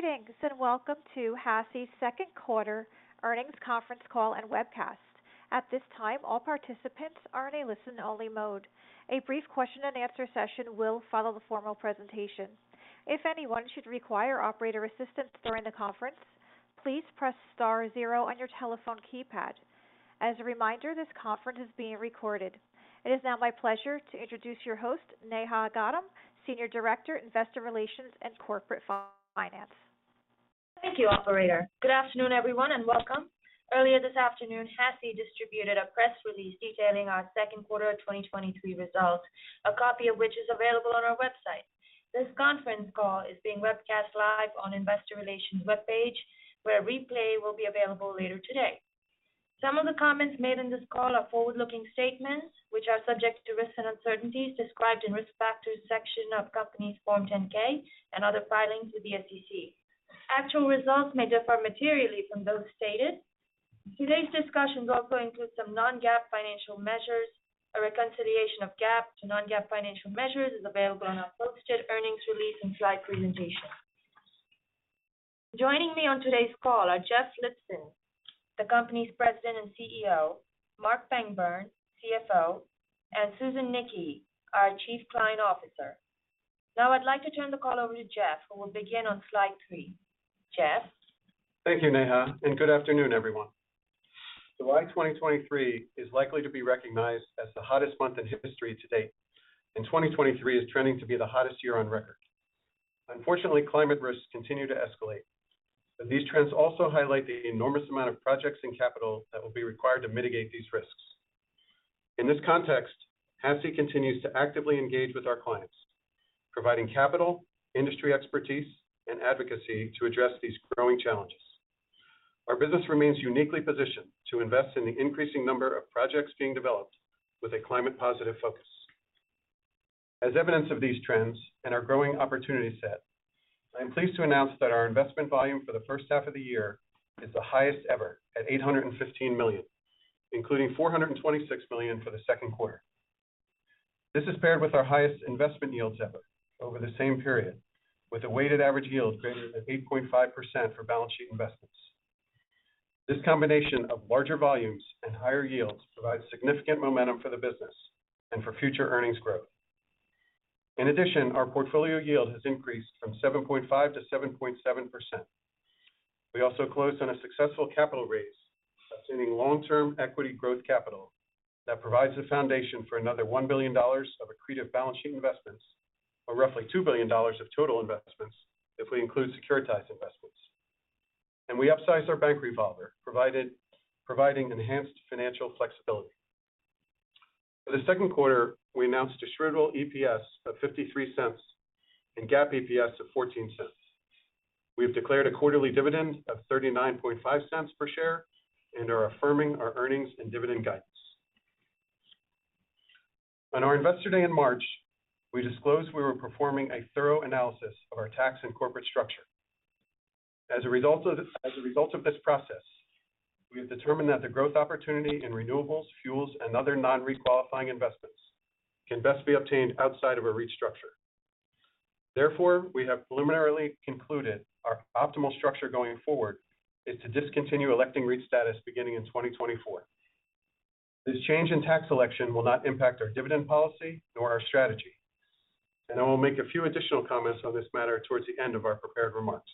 Greetings, and welcome to HASI's second quarter earnings conference call and webcast. At this time, all participants are in a listen-only mode. A brief question-and-answer session will follow the formal presentation. If anyone should require operator assistance during the conference, please press star zero on your telephone keypad. As a reminder, this conference is being recorded. It is now my pleasure to introduce your host, Neha Gaddam, Senior Director, Investor Relations and Corporate Finance. Thank you, operator. Good afternoon, everyone, and welcome. Earlier this afternoon, HASI distributed a press release detailing our second quarter of 2023 results, a copy of which is available on our website. This conference call is being webcast live on Investor Relations webpage, where a replay will be available later today. Some of the comments made in this call are forward-looking statements, which are subject to risks and uncertainties described in Risk Factors section of Company's Form 10-K and other filings with the SEC. Actual results may differ materially from those stated. Today's discussions also include some non-GAAP financial measures. A reconciliation of GAAP to non-GAAP financial measures is available on our posted earnings release and slide presentation. Joining me on today's call are Jeff Lipson, the Company's President and CEO, Marc Pangburn, CFO, and Susan Nickey, our Chief Client Officer. I'd like to turn the call over to Jeff, who will begin on slide three. Jeff? Thank you, Neha. Good afternoon, everyone. July 2023 is likely to be recognized as the hottest month in history to date. 2023 is trending to be the hottest year on record. Unfortunately, climate risks continue to escalate. These trends also highlight the enormous amount of projects and capital that will be required to mitigate these risks. In this context, HASI continues to actively engage with our clients, providing capital, industry expertise, and advocacy to address these growing challenges. Our business remains uniquely positioned to invest in the increasing number of projects being developed with a climate-positive focus. As evidence of these trends and our growing opportunity set, I am pleased to announce that our investment volume for the first half of the year is the highest ever at $815 million, including $426 million for the second quarter. This is paired with our highest investment yields ever over the same period, with a weighted average yield greater than 8.5% for balance sheet investments. This combination of larger volumes and higher yields provides significant momentum for the business and for future earnings growth. In addition, our portfolio yield has increased from 7.5%-7.7%. We also closed on a successful capital raise, sustaining long-term equity growth capital that provides the foundation for another $1 billion of accretive balance sheet investments, or roughly $2 billion of total investments, if we include securitized investments. We upsized our bank revolver, providing enhanced financial flexibility. For the second quarter, we announced distributable EPS of $0.53 and GAAP EPS of $0.14. We have declared a quarterly dividend of $0.395 per share and are affirming our earnings and dividend guidance. On our Investor Day in March, we disclosed we were performing a thorough analysis of our tax and corporate structure. As a result of this process, we have determined that the growth opportunity in renewables, fuels, and other non-qualifying investments can best be obtained outside of a REIT structure. Therefore, we have preliminarily concluded our optimal structure going forward is to discontinue electing REIT status beginning in 2024. This change in tax election will not impact our dividend policy nor our strategy, and I will make a few additional comments on this matter towards the end of our prepared remarks.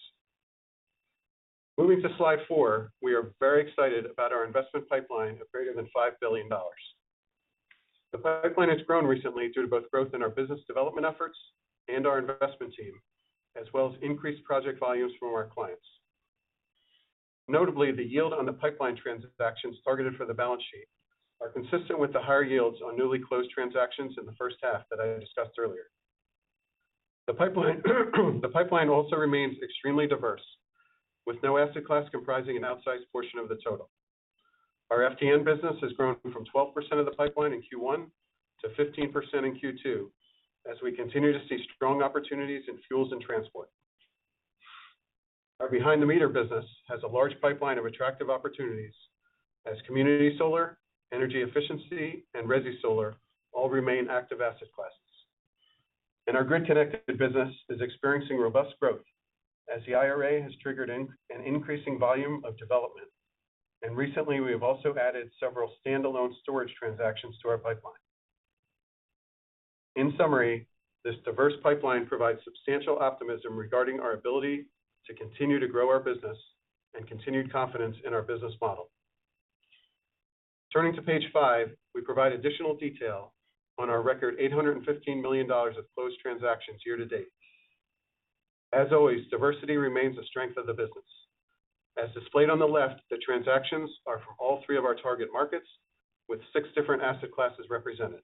Moving to slide four, we are very excited about our investment pipeline of greater than $5 billion. The pipeline has grown recently due to both growth in our business development efforts and our investment team, as well as increased project volumes from our clients. Notably, the yield on the pipeline transactions targeted for the balance sheet are consistent with the higher yields on newly closed transactions in the first half that I discussed earlier. The pipeline also remains extremely diverse, with no asset class comprising an outsized portion of the total. Our FTN business has grown from 12% of the pipeline in Q1 to 15% in Q2, as we continue to see strong opportunities in fuels and transport. Our Behind-the-Meter business has a large pipeline of attractive opportunities as community solar, energy efficiency, and resi solar all remain active asset classes. Our Grid-Connected business is experiencing robust growth as the IRA has triggered an increasing volume of development. Recently, we have also added several standalone storage transactions to our pipeline. In summary, this diverse pipeline provides substantial optimism regarding our ability to continue to grow our business and continued confidence in our business model. Turning to page five, we provide additional detail on our record, $815 million of closed transactions year-to-date. As always, diversity remains the strength of the business. As displayed on the left, the transactions are from all three of our target markets, with six different asset classes represented.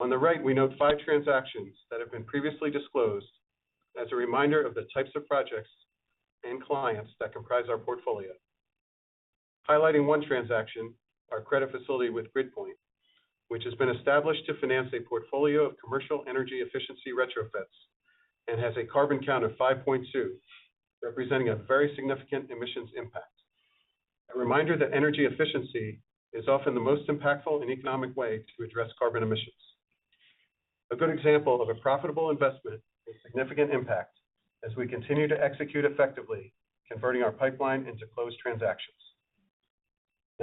On the right, we note five transactions that have been previously disclosed as a reminder of the types of projects and clients that comprise our portfolio. Highlighting one transaction, our credit facility with GridPoint, which has been established to finance a portfolio of commercial energy efficiency retrofits and has a CarbonCount of 5.2, representing a very significant emissions impact. A reminder that energy efficiency is often the most impactful and economic way to address carbon emissions. A good example of a profitable investment with significant impact as we continue to execute effectively, converting our pipeline into closed transactions.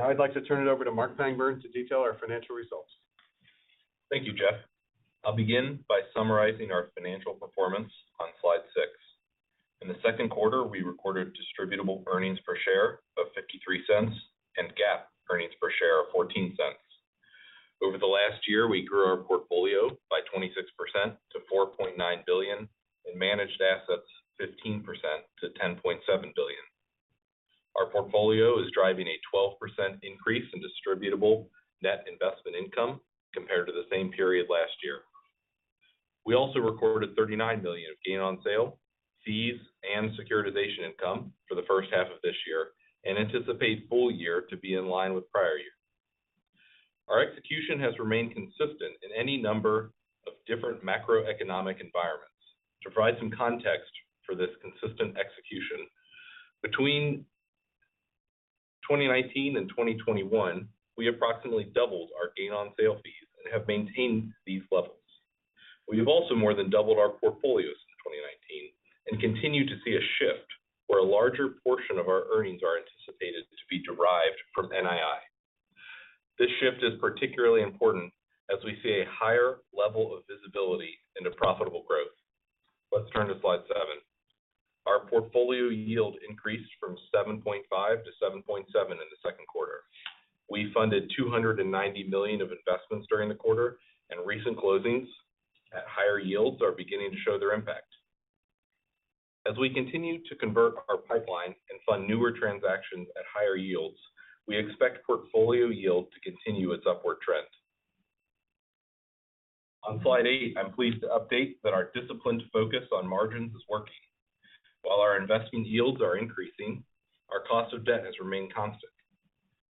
I'd like to turn it over to Marc Pangburn to detail our financial results. Thank you, Jeff. I'll begin by summarizing our financial performance on slide six. In the second quarter, we recorded distributable earnings per share of $0.53 and GAAP earnings per share of $0.14. Over the last year, we grew our portfolio by 26% to $4.9 billion, and managed assets 15% to $10.7 billion. Our portfolio is driving a 12% increase in distributable net investment income compared to the same period last year. We also recorded $39 million of gain on sale, fees, and securitization income for the first half of this year, and anticipate full year to be in line with prior year. Our execution has remained consistent in any number of different macroeconomic environments. To provide some context for this consistent execution, between 2019 and 2021, we approximately doubled our gain on sale fees and have maintained these levels. We've also more than doubled our portfolios in 2019 and continue to see a shift where a larger portion of our earnings are anticipated to be derived from NII. This shift is particularly important as we see a higher level of visibility into profitable growth. Let's turn to slide seven. Our portfolio yield increased from 7.5% to 7.7% in the second quarter. We funded $290 million of investments during the quarter. Recent closings at higher yields are beginning to show their impact. As we continue to convert our pipeline and fund newer transactions at higher yields, we expect portfolio yield to continue its upward trend. On slide eight, I'm pleased to update that our disciplined focus on margins is working. While our investment yields are increasing, our cost of debt has remained constant.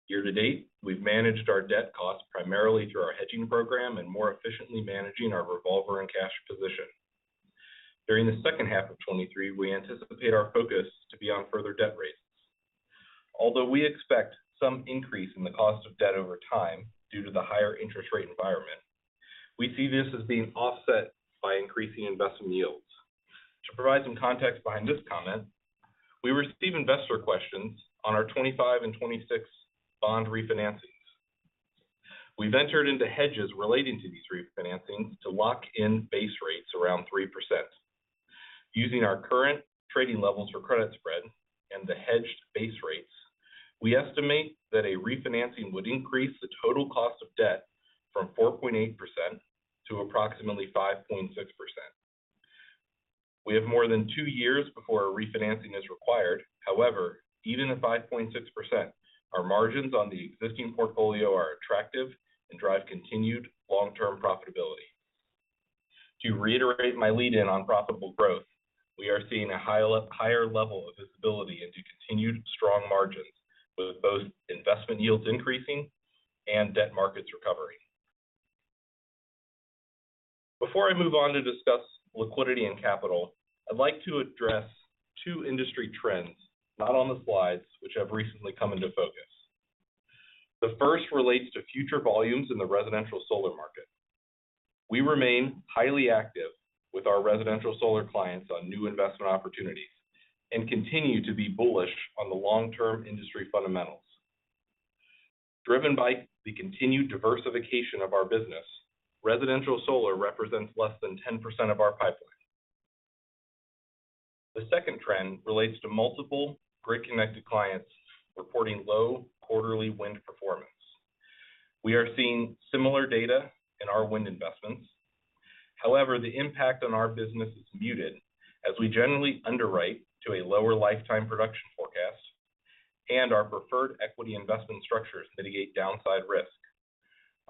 Year-to-date, we've managed our debt costs primarily through our hedging program and more efficiently managing our revolver and cash position. During the second half of 2023, we anticipate our focus to be on further debt rates. Although we expect some increase in the cost of debt over time due to the higher interest rate environment, we see this as being offset by increasing investment yields. To provide some context behind this comment, we receive investor questions on our 2025 and 2026 bond refinancings. We've entered into hedges relating to these refinancings to lock in base rates around 3%. Using our current trading levels for credit spread and the hedged base rates, we estimate that a refinancing would increase the total cost of debt from 4.8% to approximately 5.6%. We have more than two years before a refinancing is required. However, even at 5.6%, our margins on the existing portfolio are attractive and drive continued long-term profitability. To reiterate my lead in on profitable growth, we are seeing a higher level of visibility into continued strong margins, with both investment yields increasing and debt markets recovering. Before I move on to discuss liquidity and capital, I'd like to address two industry trends, not on the slides, which have recently come into focus. The first relates to future volumes in the residential solar market. We remain highly active with our residential solar clients on new investment opportunities and continue to be bullish on the long-term industry fundamentals. Driven by the continued diversification of our business, residential solar represents less than 10% of our pipeline. The second trend relates to multiple Grid-Connected clients reporting low quarterly wind performance. We are seeing similar data in our wind investments. The impact on our business is muted, as we generally underwrite to a lower lifetime production forecast, and our preferred equity investment structures mitigate downside risk.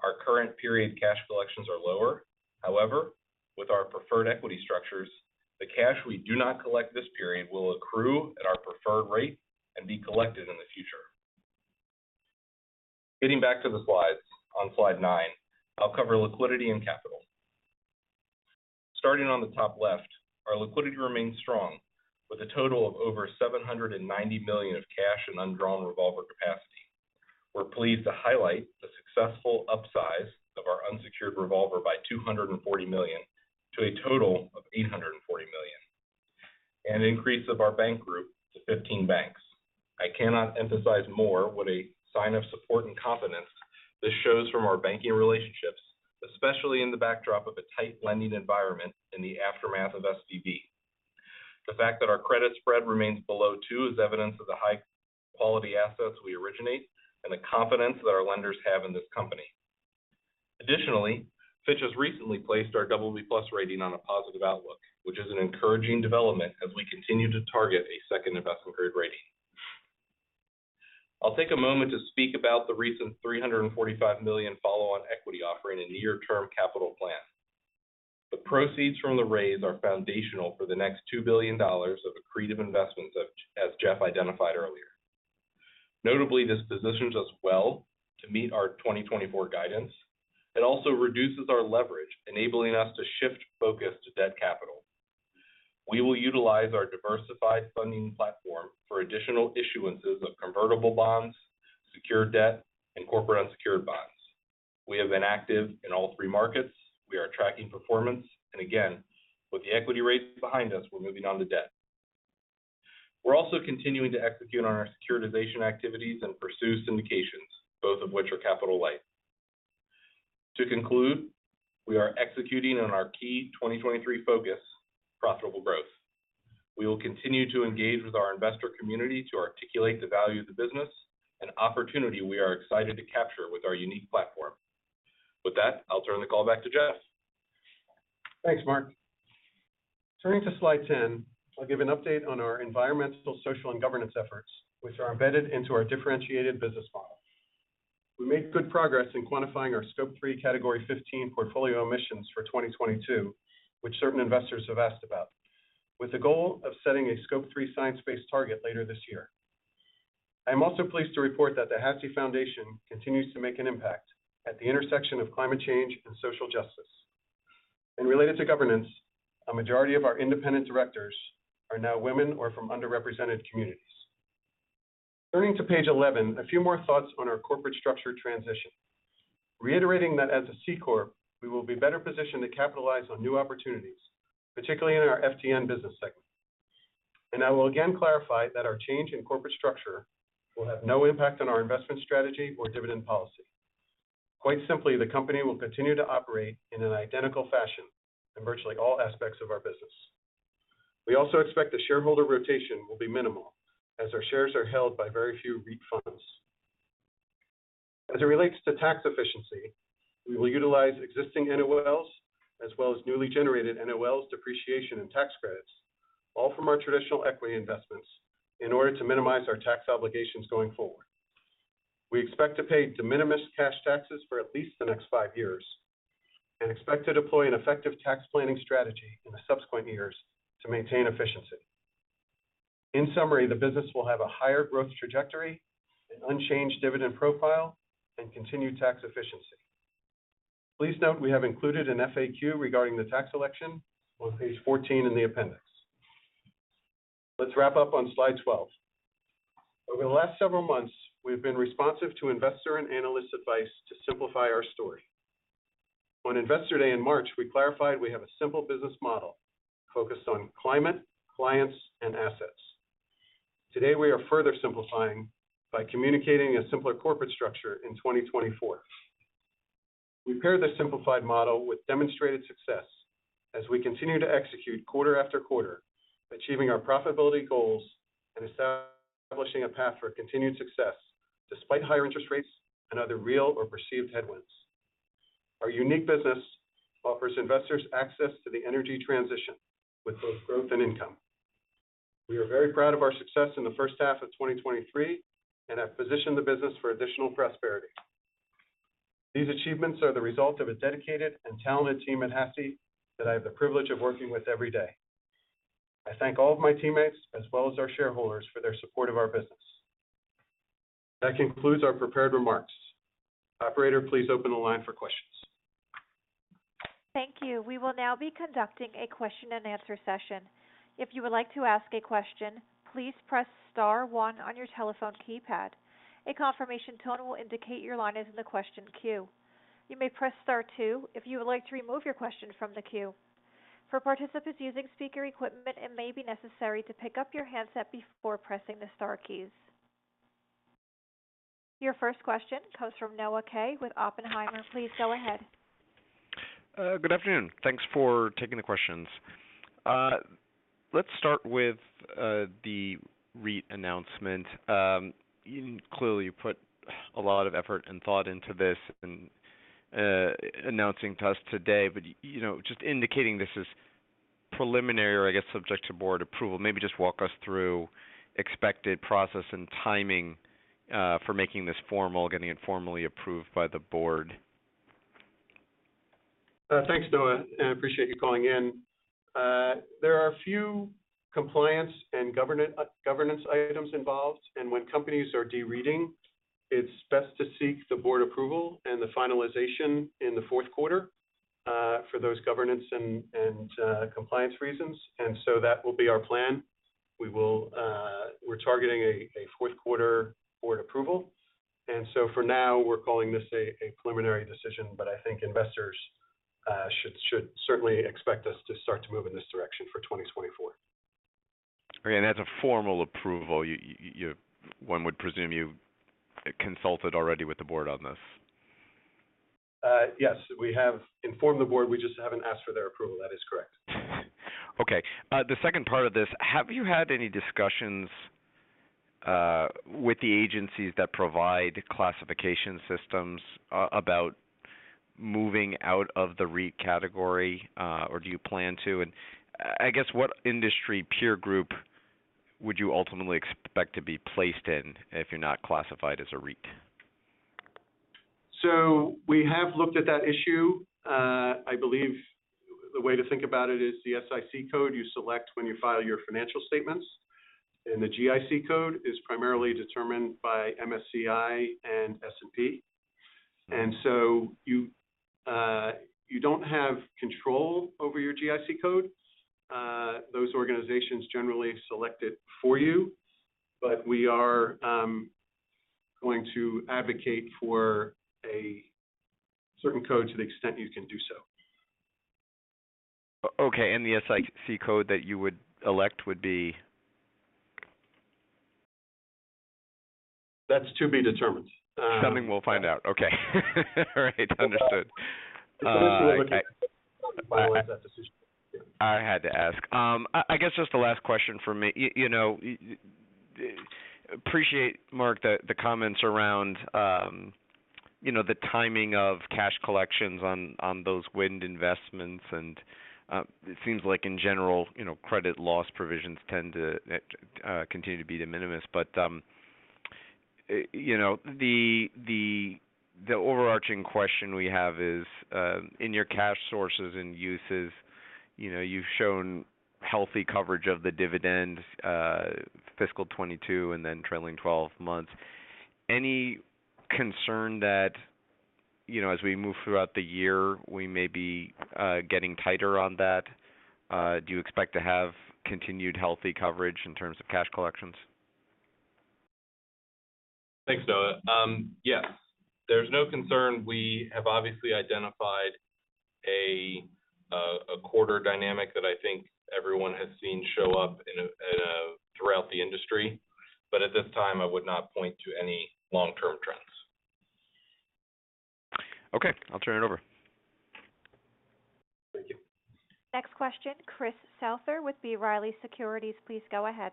Our current period cash collections are lower. With our preferred equity structures, the cash we do not collect this period will accrue at our preferred rate and be collected in the future. Getting back to the slides, on slide nine, I'll cover liquidity and capital. Starting on the top left, our liquidity remains strong, with a total of over $790 million of cash and undrawn revolver capacity. We're pleased to highlight the successful upsize of our unsecured revolver by $240 million to a total of $840 million, and an increase of our bank group to 15 banks. I cannot emphasize more what a sign of support and confidence this shows from our banking relationships, especially in the backdrop of a tight lending environment in the aftermath of SVB. The fact that our credit spread remains below two is evidence of the high-quality assets we originate and the confidence that our lenders have in this company. Additionally, Fitch has recently placed our BB+ rating on a positive outlook, which is an encouraging development as we continue to target a second investment grade rating. I'll take a moment to speak about the recent $345 million follow-on equity offering in near-term capital plan. The proceeds from the raise are foundational for the next $2 billion of accretive investments as Jeff identified earlier. Notably, this positions us well to meet our 2024 guidance. It also reduces our leverage, enabling us to shift focus to debt capital.... We will utilize our diversified funding platform for additional issuances of convertible bonds, secured debt, and corporate unsecured bonds. We have been active in all three markets. We are tracking performance, again, with the equity rates behind us, we're moving on to debt. We're also continuing to execute on our securitization activities and pursue syndications, both of which are capital light. To conclude, we are executing on our key 2023 focus: profitable growth. We will continue to engage with our investor community to articulate the value of the business and opportunity we are excited to capture with our unique platform. With that, I'll turn the call back to Jeff. Thanks, Marc. Turning to slide 10, I'll give an update on our environmental, social, and governance efforts, which are embedded into our differentiated business model. We made good progress in quantifying our Scope 3 Category 15 portfolio emissions for 2022, which certain investors have asked about, with the goal of setting a Scope 3 science-based target later this year. I am also pleased to report that the HASI Foundation continues to make an impact at the intersection of climate change and social justice. Related to governance, a majority of our independent directors are now women or from underrepresented communities. Turning to page 11, a few more thoughts on our corporate structure transition. Reiterating that as a C corp, we will be better positioned to capitalize on new opportunities, particularly in our FTN business segment. I will again clarify that our change in corporate structure will have no impact on our investment strategy or dividend policy. Quite simply, the company will continue to operate in an identical fashion in virtually all aspects of our business. We also expect the shareholder rotation will be minimal as our shares are held by very few REIT funds. As it relates to tax efficiency, we will utilize existing NOLs, as well as newly generated NOLs, depreciation, and tax credits, all from our traditional equity investments, in order to minimize our tax obligations going forward. We expect to pay de minimis cash taxes for at least the next five years and expect to deploy an effective tax planning strategy in the subsequent years to maintain efficiency. In summary, the business will have a higher growth trajectory, an unchanged dividend profile, and continued tax efficiency. Please note we have included an FAQ regarding the tax election on page 14 in the appendix. Let's wrap up on slide 12. Over the last several months, we've been responsive to investor and analyst advice to simplify our story. On Investor Day in March, we clarified we have a simple business model focused on climate, clients, and assets. Today, we are further simplifying by communicating a simpler corporate structure in 2024. We pair this simplified model with demonstrated success as we continue to execute quarter-after-quarter, achieving our profitability goals and establishing a path for continued success, despite higher interest rates and other real or perceived headwinds. Our unique business offers investors access to the energy transition with both growth and income. We are very proud of our success in the first half of 2023 and have positioned the business for additional prosperity. These achievements are the result of a dedicated and talented team at HASI that I have the privilege of working with every day. I thank all of my teammates, as well as our shareholders, for their support of our business. That concludes our prepared remarks. Operator, please open the line for questions. Thank you. We will now be conducting a question-and-answer session. If you would like to ask a question, please press star one on your telephone keypad. A confirmation tone will indicate your line is in the question queue. You may press star two if you would like to remove your question from the queue. For participants using speaker equipment, it may be necessary to pick up your handset before pressing the star keys. Your first question comes from Noah Kaye with Oppenheimer. Please go ahead. Good afternoon. Thanks for taking the questions. Let's start with the REIT announcement. You clearly put a lot of effort and thought into this and announcing to us today, you know, just indicating this is preliminary or I guess subject to board approval, maybe just walk us through expected process and timing for making this formal, getting it formally approved by the board. Thanks, Noah, and I appreciate you calling in. There are a few compliance and governance items involved, and when companies are de-REITing, it's best to seek the board approval and the finalization in the fourth quarter, for those governance and compliance reasons. That will be our plan. We will... We're targeting a fourth quarter board approval. For now, we're calling this a preliminary decision, but I think investors should certainly expect us to start to move in this direction for 2024. Okay, and as a formal approval, one would presume you've consulted already with the board on this? Yes, we have informed the board. We just haven't asked for their approval. That is correct. Okay. The second part of this: Have you had any discussions with the agencies that provide classification systems about moving out of the REIT category, or do you plan to? I guess, what industry peer group would you ultimately expect to be placed in if you're not classified as a REIT? We have looked at that issue. I believe the way to think about it is the SIC code you select when you file your financial statements, and the GICS code is primarily determined by MSCI and S&P. You don't have control over your GICS code. Those organizations generally select it for you, but we are going to advocate for a certain code to the extent you can do so. Okay, the SIC code that you would elect would be? That's to be determined. Something we'll find out. Okay. All right, understood. Finalize that decision. I had to ask. I, I guess just the last question from me, you know, appreciate, Marc, the, the comments around, you know, the timing of cash collections on, on those wind investments. It seems like in general, you know, credit loss provisions tend to continue to be de minimis. You know, the, the, the overarching question we have is, in your cash sources and uses, you know, you've shown healthy coverage of the dividend, fiscal 2022 and then trailing 12 months. Any concern that, you know, as we move throughout the year, we may be getting tighter on that? Do you expect to have continued healthy coverage in terms of cash collections? Thanks, Noah. Yes, there's no concern. We have obviously identified a, a quarter dynamic that I think everyone has seen show up throughout the industry. At this time, I would not point to any long-term trends. Okay, I'll turn it over. Thank you. Next question, Chris Souther with B. Riley Securities. Please go ahead.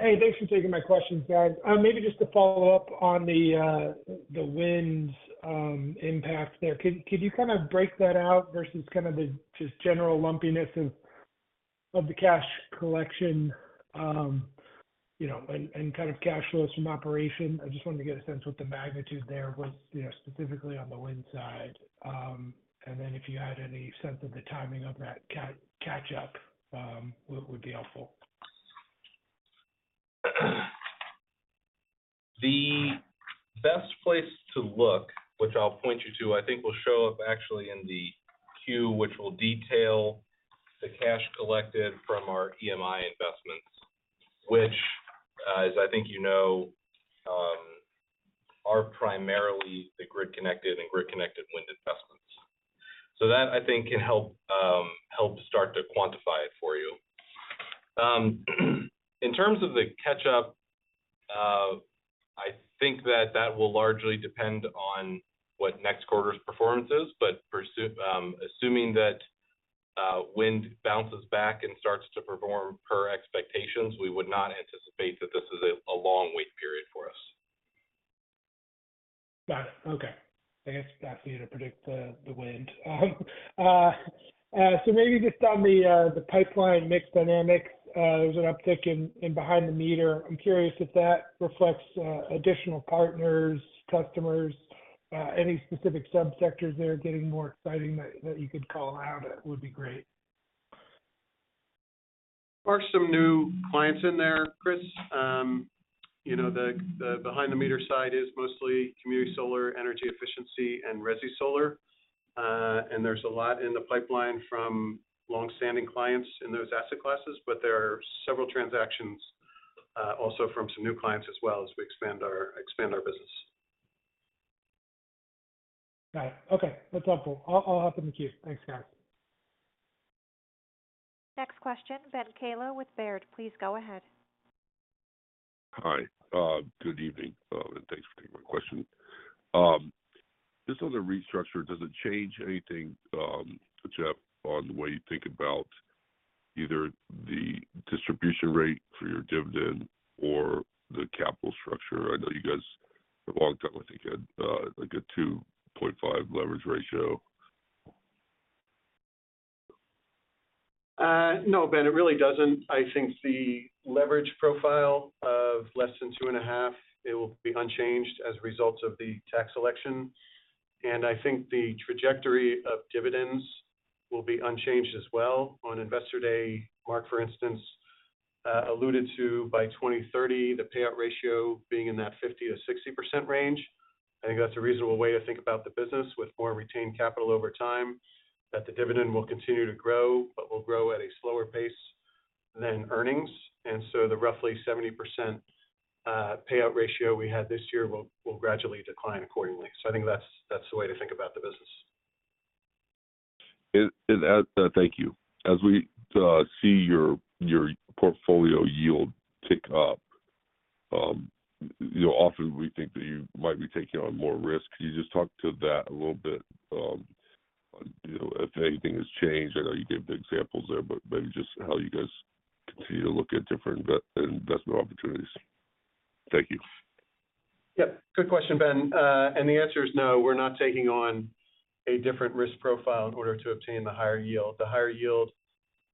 Hey, thanks for taking my questions, guys. Maybe just to follow up on the, the winds, impact there. Can, could you kind of break that out versus kind of the just general lumpiness of, of the cash collection, you know, and, and kind of cash flows from operation? I just wanted to get a sense what the magnitude there was, you know, specifically on the wind side. And then if you had any sense of the timing of that catch-up, would, would be helpful. The best place to look, which I'll point you to, I think will show up actually in the Q, which will detail the cash collected from our EMI investments, which, as I think you know, are primarily the Grid-Connected and Grid-Connected wind investments. That, I think, can help start to quantify it for you. In terms of the catch-up, I think that that will largely depend on what next quarter's performance is. Assuming that wind bounces back and starts to perform per expectations, we would not anticipate that this is a, a long wait period for us. Got it. Okay. I guess asking you to predict the, the wind. Maybe just on the pipeline mix dynamics, there's an uptick in Behind-the-Meter. I'm curious if that reflects additional partners, customers, any specific subsectors that are getting more exciting that you could call out, that would be great? There are some new clients in there, Chris. you know, the Behind-the-Meter side is mostly community solar, energy efficiency, and resi solar. There's a lot in the pipeline from long-standing clients in those asset classes. There are several transactions also from some new clients as well, as we expand our business. Got it. Okay, that's helpful. I'll, I'll hop in the queue. Thanks, guys. Next question, Ben Kallo with Baird. Please go ahead. Hi, good evening, and thanks for taking my question. Just on the restructure, does it change anything, Jeff, on the way you think about either the distribution rate for your dividend or the capital structure? I know you guys, for a long time, I think had, like a 2.5 leverage ratio. No, Ben, it really doesn't. I think the leverage profile of less than 2.5, it will be unchanged as a result of the tax election, and I think the trajectory of dividends will be unchanged as well. On Investor Day, Marc, for instance, alluded to by 2030, the payout ratio being in that 50%-60% range. I think that's a reasonable way to think about the business with more retained capital over time, that the dividend will continue to grow, but will grow at a slower pace than earnings. The roughly 70% payout ratio we had this year will, will gradually decline accordingly. I think that's, that's the way to think about the business. Thank you. As we see your portfolio yield tick up, you know, often we think that you might be taking on more risk. Can you just talk to that a little bit? You know, if anything has changed. I know you gave the examples there, but maybe just how you guys continue to look at different investment opportunities. Thank you. Yep, good question, Ben. The answer is no, we're not taking on a different risk profile in order to obtain the higher yield. The higher yield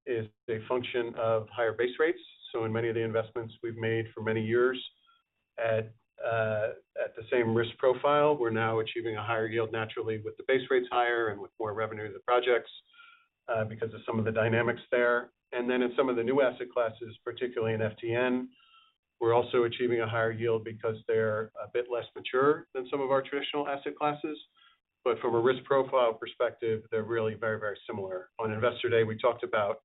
is a function of higher base rates. In many of the investments we've made for many years at, at the same risk profile, we're now achieving a higher yield naturally with the base rates higher and with more revenue in the projects, because of some of the dynamics there. Then in some of the new asset classes, particularly in FTN, we're also achieving a higher yield because they're a bit less mature than some of our traditional asset classes. From a risk profile perspective, they're really very, very similar. On Investor Day, we talked about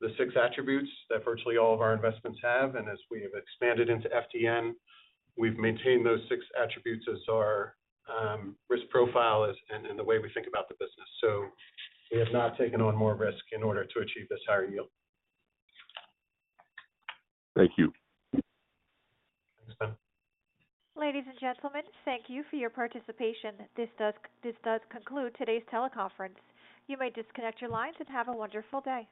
the six attributes that virtually all of our investments have, and as we have expanded into FTN, we've maintained those six attributes as our risk profile and in the way we think about the business. We have not taken on more risk in order to achieve this higher yield. Thank you. Thanks, Ben. Ladies and gentlemen, thank you for your participation. This does conclude today's teleconference. You may disconnect your lines and have a wonderful day.